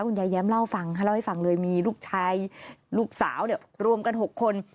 คุณยายแย้มเล่าให้ฟังเลยมีลูกชายลูกสาวรวมกัน๖คน